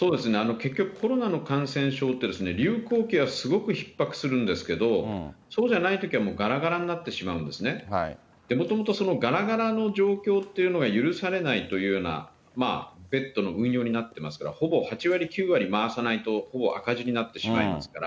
結局、コロナの感染症って、流行期はすごくひっ迫するんですけれども、もともと、がらがらの状況というのが許されないというようなベッドの運用になってますから、ほぼ８割９割回さないとほぼ赤字になってしまいますから。